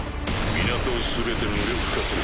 港を全て無力化する。